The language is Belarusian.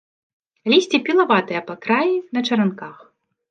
Лісце пілаватае па краі, на чаранках.